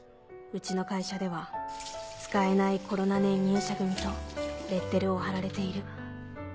うちの会社では「使えないコロナ年入社組」とレッテルを貼られている